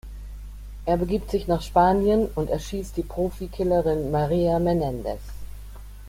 Er begibt sich nach Spanien und erschießt die Profi-Killerin Maria Menendez.